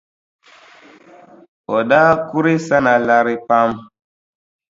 O daa kuri Sana lari pam.